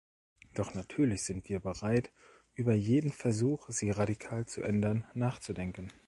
Doch natürlich sind wir bereit, über jeden Versuch, sie radikal zu ändern, nachzudenken.